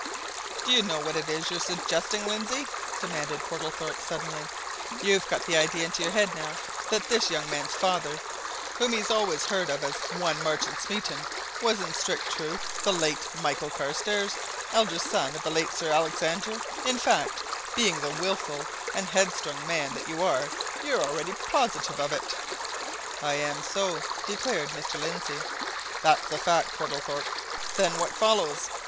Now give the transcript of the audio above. "Do you know what it is you're suggesting, Lindsey?" demanded Mr. Portlethorpe, suddenly. "You've got the idea into your head now that this young man's father, whom he's always heard of as one Martin Smeaton, was in strict truth the late Michael Carstairs, elder son of the late Sir Alexander in fact, being the wilful and headstrong man that you are, you're already positive of it?" "I am so!" declared Mr. Lindsey. "That's a fact, Portlethorpe." "Then what follows?"